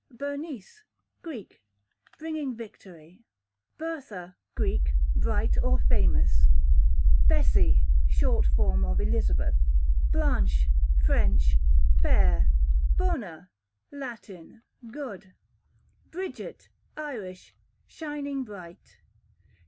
Bernice, Greek, bringing victory. Bertha, Greek, bright or famous. Bessie, short form of Elizabeth, q.v. Blanche, French, fair. Bona, Latin, good. Bridget, Irish, shining bright.